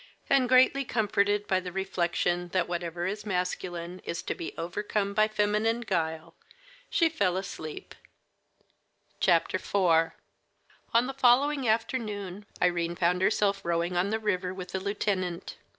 And greatly comforted by the reflection that whatever is masculine is to be overcome by feminine guile, she fell asleep. IV On the following afternoon Irene found herself rowing on the river with the lieutenant.